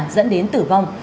dẫn đến tử vong